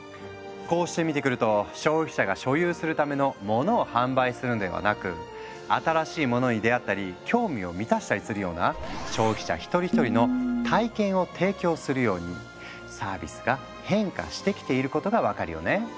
こうして見てくると消費者が所有するための「モノ」を販売するんではなく新しいものに出会ったり興味を満たしたりするような消費者一人一人の「体験」を提供するようにサービスが変化してきていることが分かるよね。